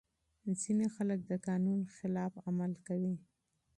ځينې خلګ د قانون خلاف عمل کوي.